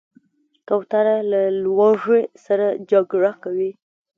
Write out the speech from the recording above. کوتره له لوږې سره جګړه کوي.